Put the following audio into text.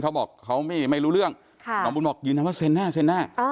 เขาบอกเขาไม่รู้เรื่องหมอบูลบอกยืนนะเซ็นหน้าเซ็นหน้า